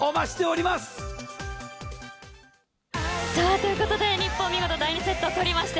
ということで日本見事第２セットを取りました。